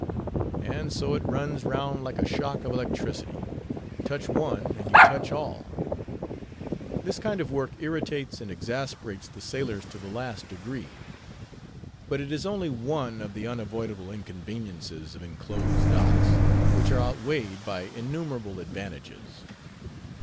_ And so it runs round like a shock of electricity; touch one, and you touch all. This kind of work irritates and exasperates the sailors to the last degree; but it is only one of the unavoidable inconveniences of inclosed docks, which are outweighed by innumerable advantages.